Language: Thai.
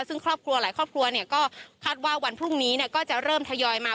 ซึ่งหลายครอบครัวเนี่ยก็คาดว่าวันพรุ่งนี้เนี่ยก็จะเริ่มทยอยมา